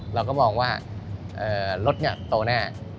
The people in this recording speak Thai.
เราก็มองว่ารถโตแน่